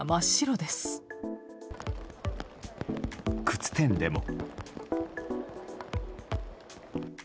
靴店でも。